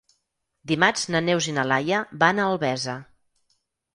Dimarts na Neus i na Laia van a Albesa.